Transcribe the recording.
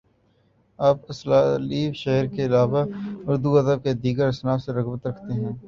آپ اسالیبِ شعری کے علاوہ ادب کی دیگر اصناف سے رغبت رکھتے ہیں